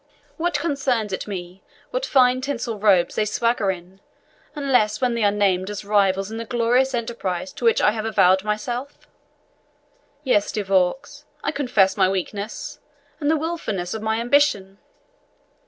What concerns it me what fine tinsel robes they swagger in, unless when they are named as rivals in the glorious enterprise to which I have vowed myself? Yes, De Vaux, I confess my weakness, and the wilfulness of my ambition.